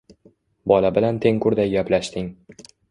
Bola bilan tengqurday gaplashing.